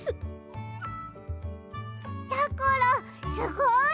やころすごい！